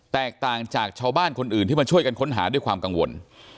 แตกต่างจากชาวบ้านคนอื่นที่มาช่วยกันค้นหาด้วยความกังวล